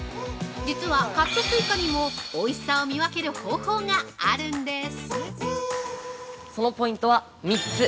実はカットスイカにもおいしさを見分ける方法があるんです。